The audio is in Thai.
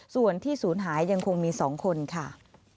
ส่วนที่ศูนย์หายยังคงมี๒คนค่ะ